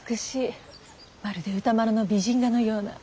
まるで歌麿の美人画のような。